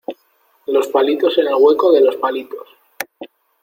los palitos en el hueco de los palitos.